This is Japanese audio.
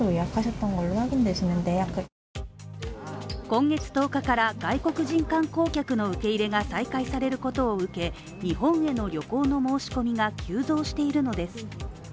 今月１０日から外国人観光客の受け入れが再開されることを受け、日本への旅行の申し込みが急増しているのです。